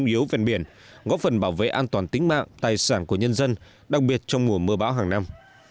chủ yếu ven biển góp phần bảo vệ an toàn tính mạng tài sản của nhân dân đặc biệt trong mùa mưa bão hàng năm